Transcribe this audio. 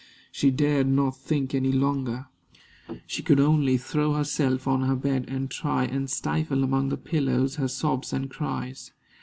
She dared not think any longer; she could only throw herself on her bed, and try and stifle among the pillows her sobs and cries.